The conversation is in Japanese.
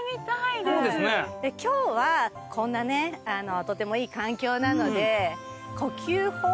今日はこんなねとてもいい環境なので。